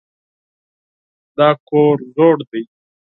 دا کور زوړ دی.